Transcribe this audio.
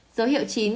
dấu hiệu chín